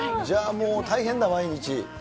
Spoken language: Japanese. じゃあもう、大変だ、毎日。